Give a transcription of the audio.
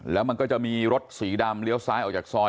แล้วมันก็จะมีรถสีดำเลี้ยวซ้ายออกจากซอย